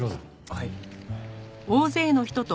はい。